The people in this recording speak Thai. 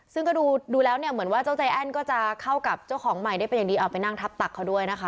ซึ่งก็ดูแล้วเนี่ยเหมือนว่าเจ้าใจแอ้นก็จะเข้ากับเจ้าของใหม่ได้เป็นอย่างดีเอาไปนั่งทับตักเขาด้วยนะคะ